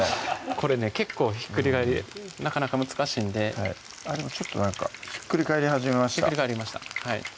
これね結構ひっくり返りなかなか難しいんであっでもちょっとなんかひっくり返り始めました